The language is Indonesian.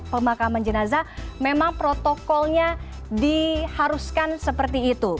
pemakaman jenazah memang protokolnya diharuskan seperti itu